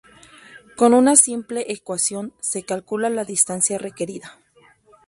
Con una simple ecuación se calcula la distancia requerida.